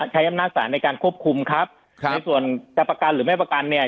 ใช้อำนาจศาลในการควบคุมครับในส่วนจะประกันหรือไม่ประกันเนี่ย